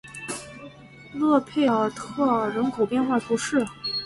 勒佩尔特尔人口变化图示